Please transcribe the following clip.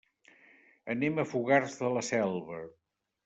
Anem a Fogars de la Selva.